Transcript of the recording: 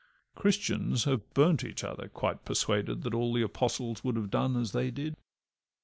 Christians have burnt each other, quite persuaded That all the Apostles would have done as they did.